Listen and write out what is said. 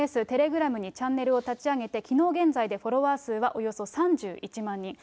ＳＮＳ、テレグラムにチャンネルを立ち上げて、きのう現在でフォロワー数はおよそ３１万人。